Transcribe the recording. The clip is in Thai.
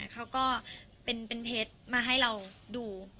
เขาก็เป็นเพชรมาให้เราดู